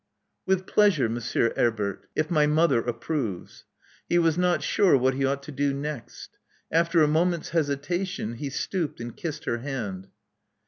With pleasure, Monsieur Herbert, if my mother approves. He was not sure what he ought to do next. After a moment's hesitation, he stooped and kissed her hand.